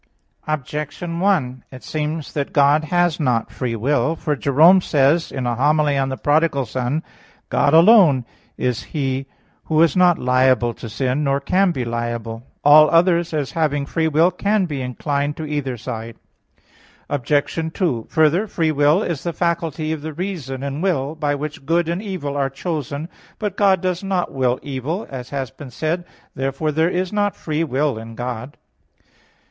Objection 1: It seems that God has not free will. For Jerome says, in a homily on the prodigal son [*Ep. 146, ad Damas.]; "God alone is He who is not liable to sin, nor can be liable: all others, as having free will, can be inclined to either side." Obj. 2: Further, free will is the faculty of the reason and will, by which good and evil are chosen. But God does not will evil, as has been said (A. 9). Therefore there is not free will in God.